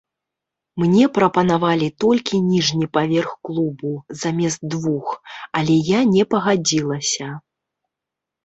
Мне прапанавалі толькі ніжні паверх клубу, замест двух, але я не пагадзілася.